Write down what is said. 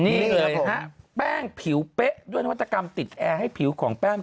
นี่เลยฮะแป้งผิวเป๊ะด้วยนวัตกรรมติดแอร์ให้ผิวของแป้ง